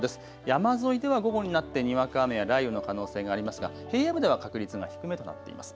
山沿いでは午後になってにわか雨や雷雨の可能性がありますが平野部では確率が低めとなっています。